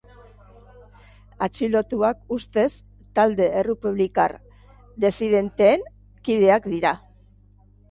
Atxilotuak, ustez, talde errepublikar disidenteen kideak dira.